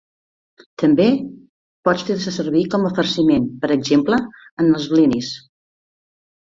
També pot fer-se servir com a farciment, per exemple en els blinis.